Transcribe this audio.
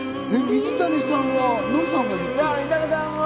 水谷さんはノリさんが？